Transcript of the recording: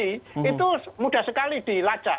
itu mudah sekali dilacak